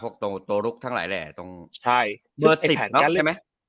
พวกตัวลุกทั้งหลายแหละตรงเบอร์๑๐ใช่ไหม